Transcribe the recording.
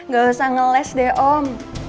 gak usah ngeles deh om